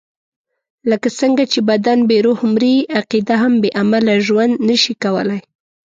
لکه څنګه چې بدن بې روح مري، عقیده هم بې عمله ژوند نشي کولای.